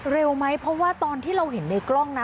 เร็วไหมเพราะว่าตอนที่เราเห็นในกล้องนะ